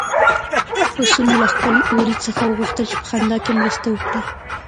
پسونو له خپل وري څخه وغوښتل چې په خندا کې مرسته وکړي.